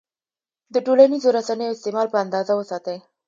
د ټولنیزو رسنیو استعمال په اندازه وساتئ.